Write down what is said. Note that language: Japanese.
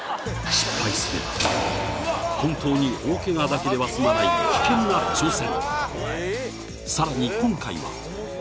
失敗すれば本当に大ケガだけでは済まない危険な挑戦